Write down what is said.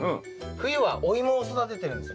冬はお芋を育ててるんですね。